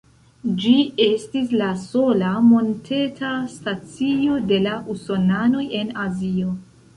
Ĝi estis la sola monteta stacio de la Usonanoj en Azio.